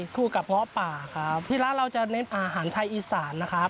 คู่กับเงาะป่าครับที่ร้านเราจะเน้นอาหารไทยอีสานนะครับ